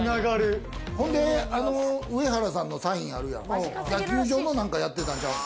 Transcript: ほんで上原さんのサインあるやん、野球場の何かやってたんちゃう？